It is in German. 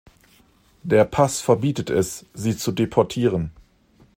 Der Pass verbietet es, sie zu deportieren.